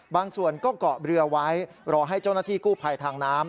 บางส่วนก็เกาะเรือไว้รอให้เจ้าหน้าที่กู้ภัยทางน้ำ